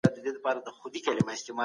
ما دغه نوی کتاب په پښتو کي ولوستی.